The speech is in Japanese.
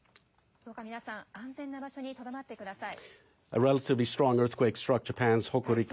どうか皆さん、安全な場所にとどまってください。